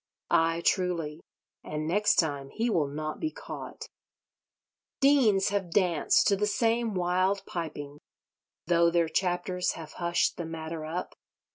Ay, truly: and next time he will not be caught. Deans have danced to the same wild piping, though their chapters have hushed the matter up.